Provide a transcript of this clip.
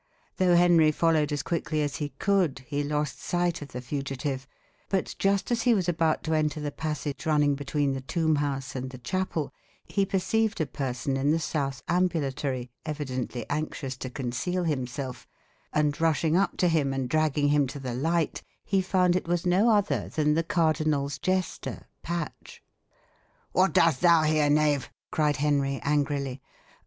Though Henry followed as quickly as he could, he lost sight of the fugitive, but just as he was about to enter the passage running between the tomb house and the chapel, he perceived a person in the south ambulatory evidently anxious to conceal himself, and, rushing up to him and dragging him to the light he found it was no other than the cardinal's jester, Patch. "What does thou here, knave?" cried Henry angrily.